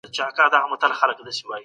د وروسته پاته والي علتونه کوم دي؟